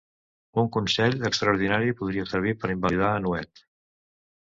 Un consell extraordinari podria servir per invalidar a Nuet